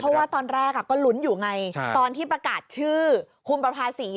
เพราะว่าตอนแรกก็ลุ้นอยู่ไงตอนที่ประกาศชื่อคุณประภาษี